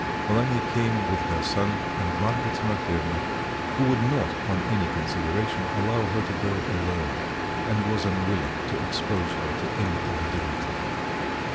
Malanya came with her son and Marfa Timofyevna, who would not on any consideration allow her to go alone, and was unwilling to expose her to any indignity.